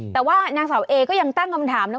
แต่ว่านางสาวเอก็ยังตั้งคำถามนะ